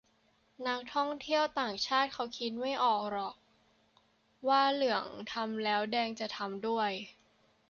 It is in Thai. นักท่องเที่ยวต่างชาติเค้าคิดไม่ออกหรอกว่าเหลืองทำแล้วแดงจะทำด้วย